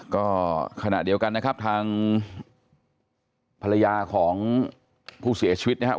ก็ขณะเดียวกันนะครับทางภรรยาของผู้เสียชีวิตนะครับ